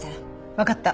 わかった。